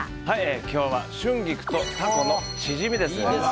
今日は春菊とタコのチヂミです。